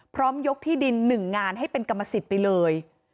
พร้อมยกที่ดิน๑งานให้เป็นกรรมสิทธิ์ไปเลย